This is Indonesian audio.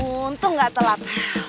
untung gak telat